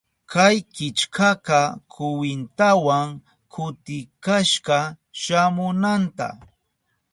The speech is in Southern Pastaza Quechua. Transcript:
Kay killkaka kwintawan kutikashka shamunanta.